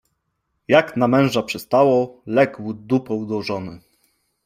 Jak na męża przystało, legł dupą do żony.